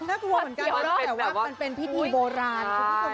แห่หน้ากลัวเหมือนกันแต่ว่ามันเป็นพิธีโบราณ